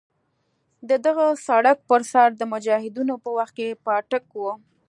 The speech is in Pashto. د دغه سړک پر سر د مجاهدینو په وخت کې پاټک وو.